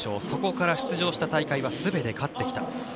そこから出場した大会はすべて勝ってきた。